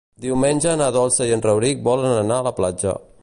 Diumenge na Dolça i en Rauric volen anar a la platja.